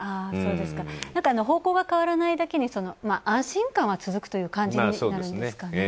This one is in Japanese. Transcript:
方向が変わらないだけに安心感は続くという感じになるんですかね。